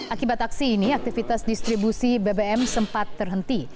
akibat aksi ini aktivitas distribusi bbm sempat terhenti